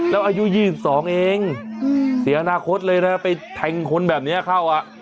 แล้วอายุ๒๒เองเสียอนาคตเลยนะไปแทงคนแบบนี้เข้า